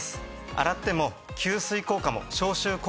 洗っても吸水効果も消臭効果も変わりません。